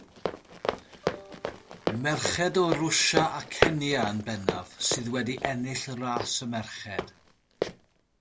Merched o Rwsia a Kenya yn bennaf sydd wedi ennill ras y merched.